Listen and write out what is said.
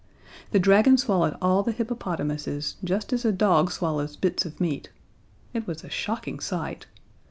The dragon swallowed all the hippopotamuses just as a dog swallows bits of meat. It was a shocking sight.